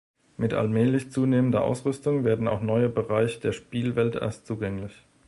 Mit allmählich zunehmender Ausrüstung werden auch neue Bereich der Spielwelt erst zugänglich.